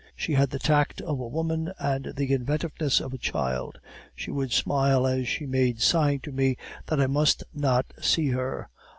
She had the tact of a woman and the inventiveness of a child; she would smile as she made sign to me that I must not see her.